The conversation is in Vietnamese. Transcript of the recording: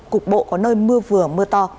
cục bộ có nơi mưa vừa mưa to